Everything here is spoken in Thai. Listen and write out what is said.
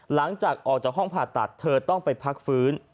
หลังจากออกจากห้องผ่าตัดเธอต้องไปพักฟื้น